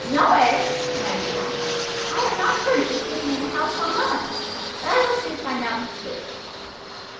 "Know it?" Ned gasped. "I have not heard of his being in the house for months, but I will soon find out the truth."